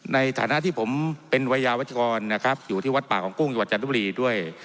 ในฐานะที่ผมเป็นวัยยาวัชกรนะครับอยู่ที่วัดป่าของกุ้งจังหวัดจันทบุรีด้วย